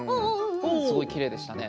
すごいきれいでしたね。